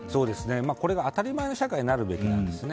これが当たり前の社会になるべきなんですよね。